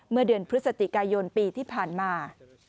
เมื่อเดือนพฤศจิกายนปีที่ผ่านมา